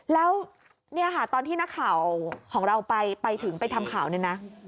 แล้วตอนที่นักข่าวของเราไปถึงไปทำข่าวนี่นะ